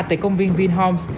tại công viên vinh homs